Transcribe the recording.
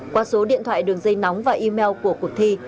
qua số điện thoại đường dây nóng và email của cuộc thi